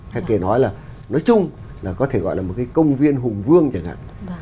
theo kia nói là nói chung là có thể gọi là một cái công viên hùng vương chẳng hạn